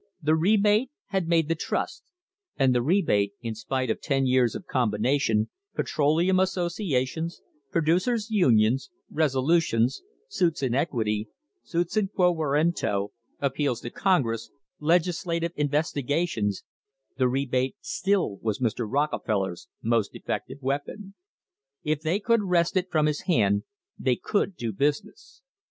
The rebate had made the trust, and the rebate, in spite of ten years of combination, Petroleum Associations, Producers' Unions, resolutions, suits in equity, suits in quo warranto, appeals to Congress, legislative investigations the rebate still was Mr. Rockefeller's most effective weapon. If they could wrest it from his hand they could do business.